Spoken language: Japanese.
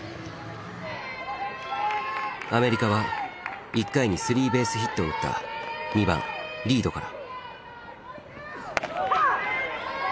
アメリカは１回にスリーベースヒットを打った２番リードから。